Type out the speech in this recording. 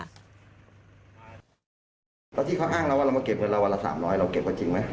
แล้วที่เขาอ้างเราว่าเรามาเก็บเงินเราวันละ๓๐๐เราเก็บไว้จริงไหม